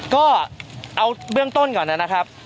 ก็เอาเบื้องต้นก่อนนะครับ